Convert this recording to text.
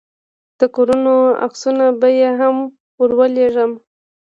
د کورونو عکسونه به يې هم ورولېږم.